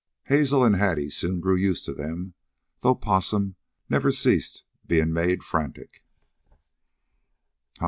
Hazel and Hattie soon grew used to them though Possum never ceased being made frantic.